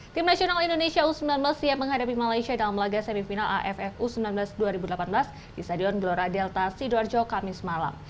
tim nasional indonesia u sembilan belas siap menghadapi malaysia dalam laga semifinal aff u sembilan belas dua ribu delapan belas di stadion gelora delta sidoarjo kamis malam